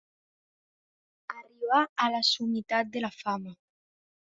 Arribar a la summitat de la fama.